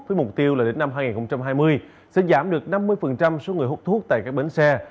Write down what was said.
với mục tiêu là đến năm hai nghìn hai mươi sẽ giảm được năm mươi số người hút thuốc tại các bến xe